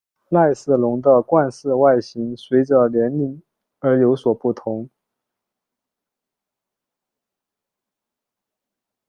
赖氏龙的冠饰外形随者年龄而有所不同。